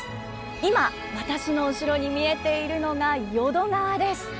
今私の後ろに見えているのが淀川です。